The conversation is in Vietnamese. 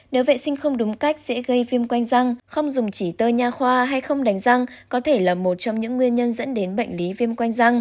nếu vệ sinh không đúng cách sẽ gây viêm quanh răng không dùng chỉ tơ nha khoa hay không đánh răng có thể là một trong những nguyên nhân dẫn đến bệnh lý viêm quanh răng